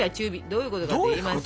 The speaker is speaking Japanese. どういうこと？